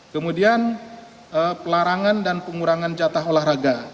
kemudian pelarangan dan pengurangan jatah olahraga